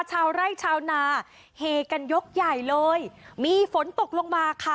ชาวไร่ชาวนาเฮกันยกใหญ่เลยมีฝนตกลงมาค่ะ